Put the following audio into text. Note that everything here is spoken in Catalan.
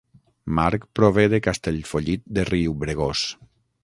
Marc prové de Castellfollit de Riubregós